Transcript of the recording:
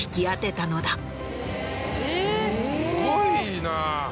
すごいな。